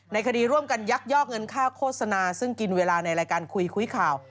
คดีร่วมกันยักยอกเงินค่าโฆษณาซึ่งกินเวลาในรายการคุยคุยข่าว